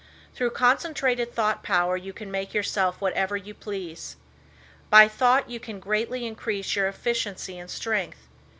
Through concentrated thought power you can make yourself whatever you please. By thought you can greatly increase your efficiency and strength.